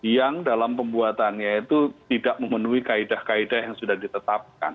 yang dalam pembuatannya itu tidak memenuhi kaedah kaedah yang sudah ditetapkan